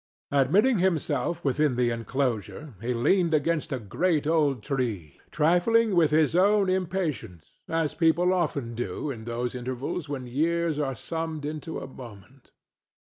Admitting himself within the enclosure, he leaned against a great old tree, trifling with his own impatience as people often do in those intervals when years are summed into a moment.